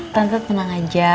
tentu tenang aja